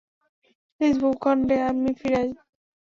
নিজ ভূখণ্ডে আমি ফিরে আসব।